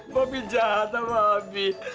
papi jahat pak ambi